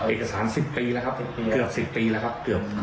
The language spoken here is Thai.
เอกสาร๑๐ปีแล้วครับเกือบ๑๐ปีแล้วครับเกือบ